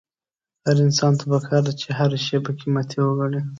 هر انسان ته پکار ده چې هره شېبه قيمتي وګڼي.